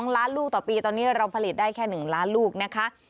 ล้านลูกต่อปีตอนนี้เราผลิตได้แค่๑ล้านลูกนะคะ